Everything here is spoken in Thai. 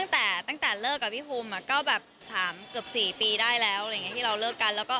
ตั้งแต่เลิกกับพี่ภูมิก็แบบ๓๔ปีได้แล้วที่เราเลิกกัน